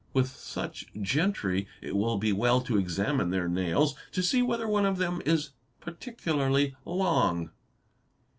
~With such gentry it will be well to examine their nails to see whether one of them is particularly long.